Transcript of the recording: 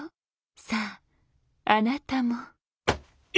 さああなたも。え！